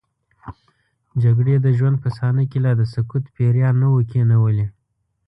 جګړې د ژوند په صحنه کې لا د سکوت پیریان نه وو کینولي.